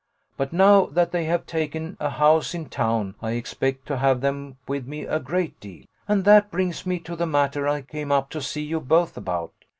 But now that they have taken a house in town I expect to have them with me a great deal. And that brings me to the matter I came up to see you both about.